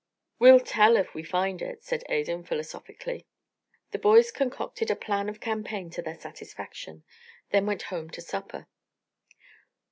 "We'll tell if we find it," said Adan, philosophically. The boys concocted a plan of campaign to their satisfaction, then went home to supper.